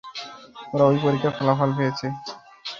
ওরা এই পরীক্ষার ফলাফল পেয়েছে?